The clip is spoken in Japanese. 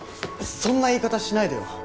そんな言い方しないでよ！